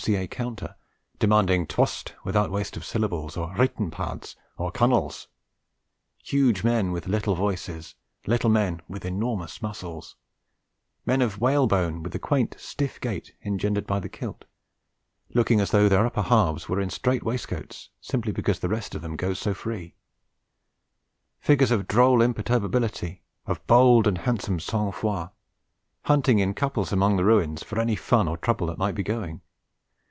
C.A. counter, demanding 'twust' without waste of syllables, or 'wrichting pads,' or 'caun'les'; huge men with little voices, little men with enormous muscles; men of whalebone with the quaint, stiff gait engendered by the kilt, looking as though their upper halves were in strait waistcoats, simply because the rest of them goes so free; figures of droll imperturbability, of bold and handsome sang froid, hunting in couples among the ruins for any fun or trouble that might be going.